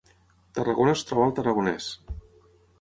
Tarragona es troba al Tarragonès